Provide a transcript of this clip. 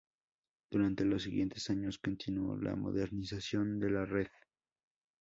Durante los siguientes años continuó la modernización de la red.